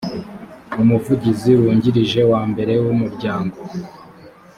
umuvugizi wungirije wa mbere w umuryango